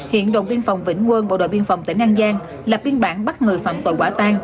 hiện đồn biên phòng vĩnh quân bộ đội biên phòng tỉnh an giang lập biên bản bắt người phạm tội quả tan